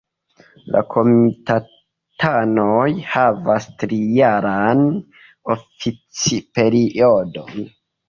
La komitatanoj havas trijaran oficperiodon.